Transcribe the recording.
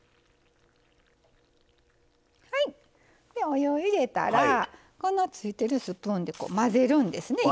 お湯を入れたらこのついてるスプーンでこう混ぜるんですね。